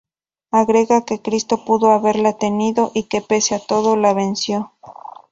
Agrega que Cristo pudo haberla tenido y que pese a todo la venció.